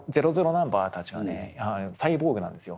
ナンバーたちがねサイボーグなんですよ。